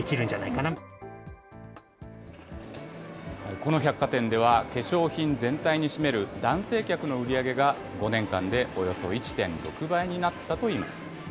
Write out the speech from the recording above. この百貨店では、化粧品全体に占める男性客の売り上げが、５年間でおよそ１．６倍になったといいます。